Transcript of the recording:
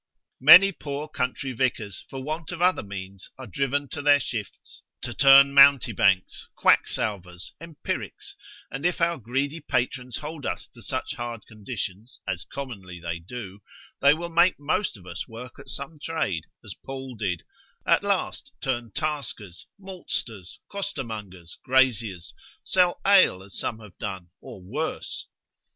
Many poor country vicars, for want of other means, are driven to their shifts; to turn mountebanks, quacksalvers, empirics, and if our greedy patrons hold us to such hard conditions, as commonly they do, they will make most of us work at some trade, as Paul did, at last turn taskers, maltsters, costermongers, graziers, sell ale as some have done, or worse.